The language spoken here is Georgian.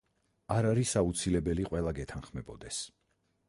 არ არის აუცილებელი, ყველა გეთანხმებოდეს.